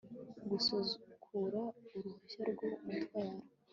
gusubukura uruhushya rwo gutwara